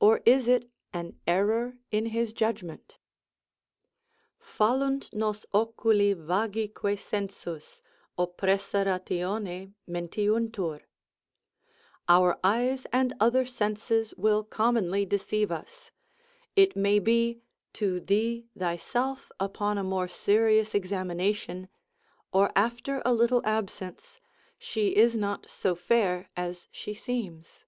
or is it an error in his judgment. Fallunt nos oculi vagique sensus, Oppressa ratione mentiuntur, our eyes and other senses will commonly deceive us; it may be, to thee thyself upon a more serious examination, or after a little absence, she is not so fair as she seems.